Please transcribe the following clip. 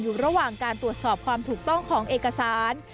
อยู่ระหว่างการตรวจสอบความถูกต้องของเอกสาร